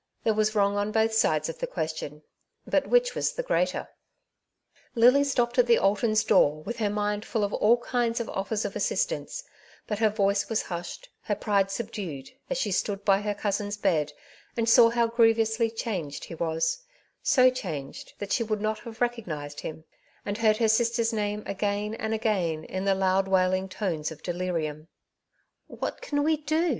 There was wrong on both sides of the question, but which was the greater ? Lily stopped at the Altons' door, with her mind TJu Marriage at Clinton Park. 2 1 1 full of all kinds of offers of assistance; but her voice was hushed, her pnde subdued, as she stood by her cousin's bed, and saw how grievously changed he was — so changed that she would not have re cognized him — ^and heard her sister's name again and again in the loud wailing tones of delirium. '' What can we do